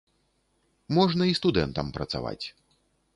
Можна і студэнтам працаваць.